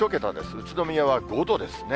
宇都宮は５度ですね。